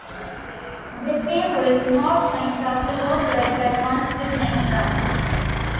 The team with more points after both legs advanced to the next round.